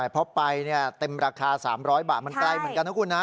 พอไปเนี่ยเต็มราคา๓๐๐บาทมันใกล้เหมือนกันนะคุณนะ